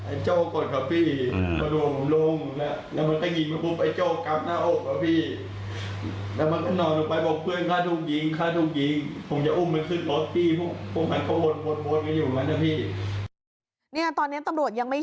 ไอ้เจ้ากดครับพี่มันถั่วผมลงแล้ว